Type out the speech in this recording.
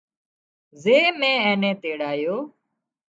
زي مين اين نين تيڙايو